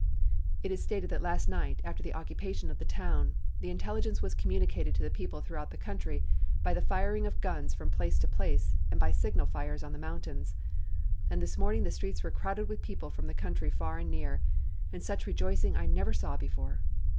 "It is stated that last night, after the occupation of the town, the intelligence was communicated to the people throughout the country by the firing of guns from place to place and by signal fires on the mountains. And this morning the streets were crowded with people from the country far and near, and such rejoicing I never saw before.